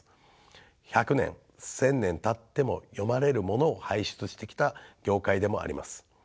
百年千年たっても読まれるものを輩出してきた業界でもあります。